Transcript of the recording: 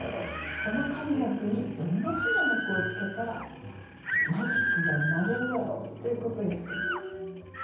この上の句にどんな下の句をつけたらマジックが生まれるだろう？ということをやってみて。